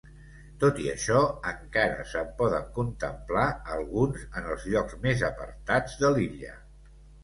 Tot i això, encara se'n poden contemplar alguns en els llocs més apartats de l'illa.